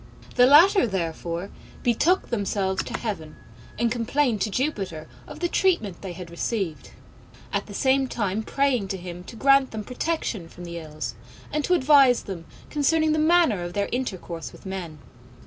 The latter, therefore, betook themselves to heaven and complained to Jupiter of the treatment they had received, at the same time praying him to grant them protection from the Ills, and to advise them concerning the manner of their intercourse with men.